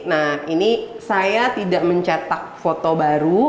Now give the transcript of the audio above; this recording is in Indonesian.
nah ini saya tidak mencetak foto baru